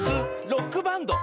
「ロックバンド」！